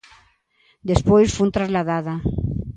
Despois fun trasladada.